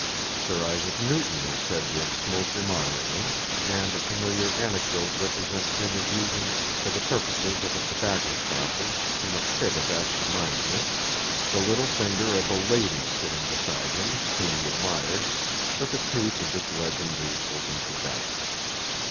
Sir Isaac Newton is said to have smoked immoderately; and a familiar anecdote represents him as using for the purposes of a tobacco stopper, in a fit of absent mindedness, the little finger of a lady sitting beside him, whom he admired, but the truth of this legend is open to doubt.